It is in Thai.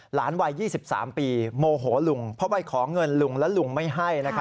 หลานวัย๒๓ปีโมโหลุงเพราะว่าเขาไปขอเงินลุงและลุงไม่ให้